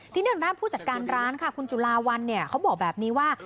ทีนี้ทางด้านผู้จัดการร้านค่ะคุณจุลาวันเนี่ยเขาบอกแบบนี้ว่า